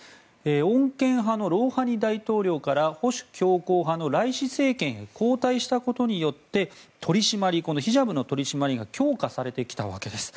穏健派のロウハニ大統領から保守強硬派のライシ政権へ交代したことによってヒジャブの取り締まりが強化されてきたわけです。